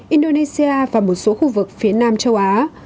indonesia và một số khu vực phía nam châu á